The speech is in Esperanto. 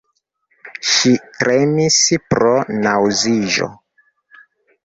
Ŝi tremis pro naŭziĝo.